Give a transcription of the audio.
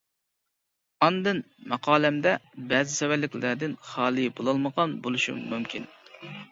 ئاندىن، ماقالەمدە بەزى سەۋەنلىكلەردىن خالىي بولالمىغان بولۇشۇم مۇمكىن.